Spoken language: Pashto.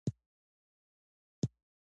پلانونه د وسیلې د جوړولو لپاره اړین دي.